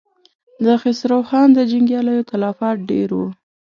د خسرو خان د جنګياليو تلفات ډېر و.